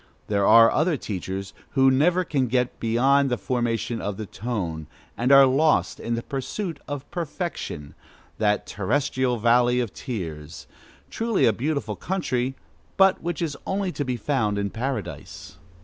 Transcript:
There are other teachers who never can get beyond the formation of the tone, and are lost in the pursuit of perfection, that "terrestrial valley of tears." Truly a beautiful country, but which is only to be found in Paradise!